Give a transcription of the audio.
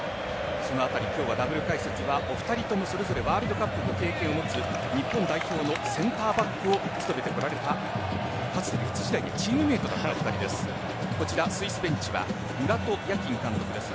その辺り、今日はダブル解説はお二人ともそれぞれワールドカップの経験を持つ日本代表のセンターバックを務めてこられた現役時代スイスベンチはムラト・ヤキン監督です。